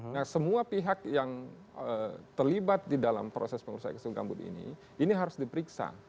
nah semua pihak yang terlibat di dalam proses pengurusan ekosistem gambut ini ini harus diperiksa